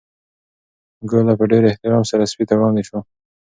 ګوله په ډېر احترام سره سپي ته وړاندې شوه.